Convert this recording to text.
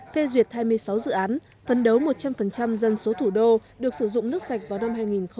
phê duyệt hai mươi sáu dự án phân đấu một trăm linh dân số thủ đô được sử dụng nước sạch vào năm hai nghìn ba mươi